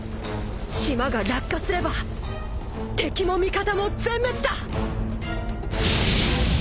島が落下すれば敵も味方も全滅だ！